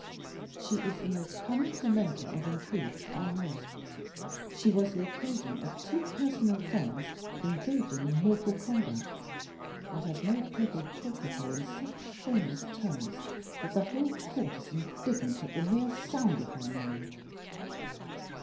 "She is the most cunning fomenter of intrigues I know; she was the occasion of two personal friends engaging in mortal combat; and has made people talk of her in such shameless terms that the whole court is indignant at the mere sound of her name."